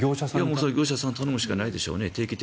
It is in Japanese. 業者さんに頼むしかないでしょうね。